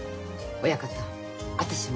親方私も。